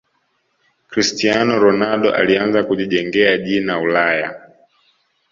cristiano ronaldo alianza kujijengea jina ulaya